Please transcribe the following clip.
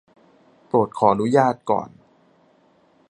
โปรดขออนุญาตก่อน